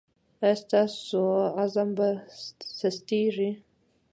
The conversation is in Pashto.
ایا ستاسو عزم به سستیږي؟